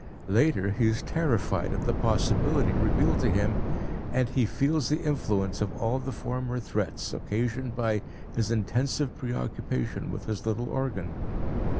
Later he is terrified at the possibility revealed to him and he feels the influence of all the former threats, occasioned by his intensive preoccupation with his little organ.